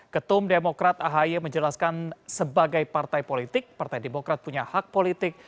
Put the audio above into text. ketum demokrat ahi menjelaskan sebagai partai politik partai demokrat punya hak politik